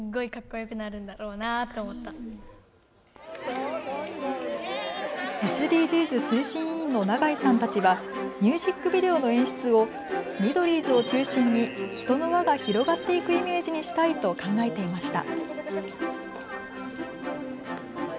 すごい！ＳＤＧｓ推進委員の長井さんたちはミュージックビデオの演出をミドリーズを中心に人の輪が広がっていくイメージにしたいと考えていました。